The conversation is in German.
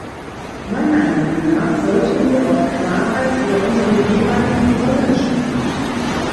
Meiner Meinung nach sollten wir auch Klarheit über unsere jeweiligen Rollen schaffen.